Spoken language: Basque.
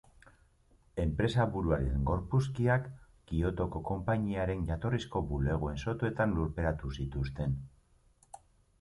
Enpresaburuaren gorpuzkiak Kiotoko konpainiaren jatorrizko bulegoen sotoetan lurperatu zituzten.